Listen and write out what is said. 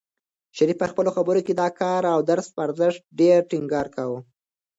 شریف په خپلو خبرو کې د کار او درس په ارزښت ډېر ټینګار کاوه.